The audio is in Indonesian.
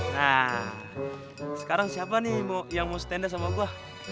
nah sekarang siapa nih yang mau stand up sama gua